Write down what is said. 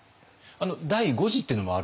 第五次っていうのもあるんですね？